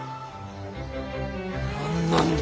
何なんだ？